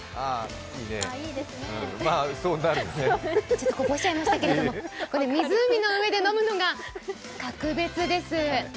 ちょっとこぼしちゃいましたけれども、湖の上で飲むのが格別です。